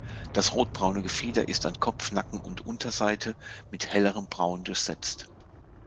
Das rotbraune Gefieder ist an Kopf, Nacken und Unterseite mit hellerem Braun durchsetzt.